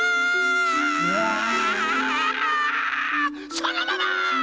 そのまま！